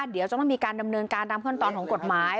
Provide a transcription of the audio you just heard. เดี๋ยวจะไม่มีการดำเนินการตามขั้นตอนของกฎหมาย